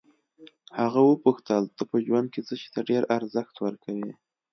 هغه وپوښتل ته په ژوند کې څه شي ته ډېر ارزښت ورکوې.